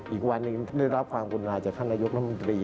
อีกวันนึงได้รับความกุญญาจากท่านอายุที่นำมิตรี